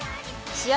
試合